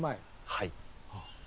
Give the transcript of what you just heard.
はい。